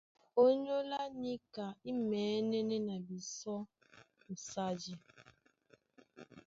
Ónyólá níka í mɛ̌nɛ́nɛ́ na bisɔ́ ɓosadi.